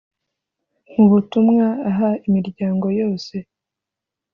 Mu butumwa aha imiryango yose